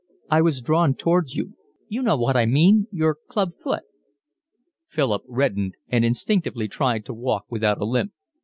I was drawn towards you—you know what I mean, your club foot." Philip reddened and instinctively tried to walk without a limp.